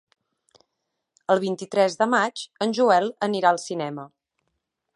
El vint-i-tres de maig en Joel anirà al cinema.